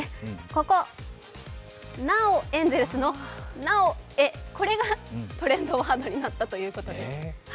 ここ「なお、エンゼルス」の「なおエ」これがトレンドワードになったということです。